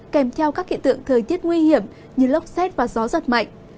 kèm theo các hiện tượng thời tiết nguy hiểm như lốc xét và gió giật mạnh